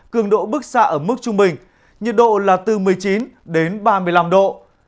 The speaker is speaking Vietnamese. cường độ bức xa ở mức trung bình nhiệt độ là từ một mươi chín đến ba mươi năm độ